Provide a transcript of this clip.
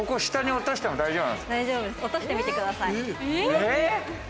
落としてみてください。